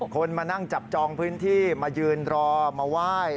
คนมานั่งจับจองพื้นที่มายืนรอมาไหว้